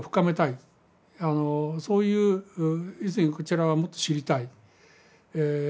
あのそういう要するにこちらはもっと知りたい。